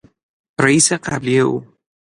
رییس قبلی او